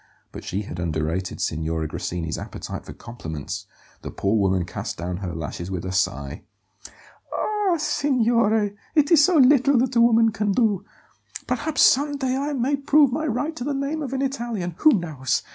But she had underrated Signora Grassini's appetite for compliments; the poor woman cast down her lashes with a sigh. "Ah, signore, it is so little that a woman can do! Perhaps some day I may prove my right to the name of an Italian who knows?